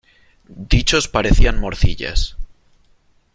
Dichos parecían morcillas.